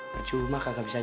masuk rumah kakak bisa jawab